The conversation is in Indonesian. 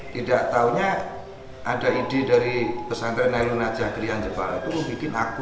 tidak tahunya ada ide dari pesantren nailunaja krian jebara itu membuat akun